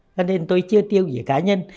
cho nên tôi chưa tiêu gì cá nhân